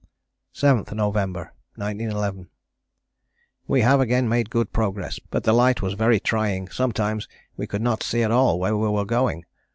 "7th November 1911. "We have again made good progress, but the light was very trying, sometimes we could not see at all where we were going.